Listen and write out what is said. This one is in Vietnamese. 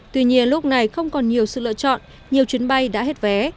tuy nhiên lúc này không còn nhiều sự lựa chọn nhiều chuyến bay đã hết vé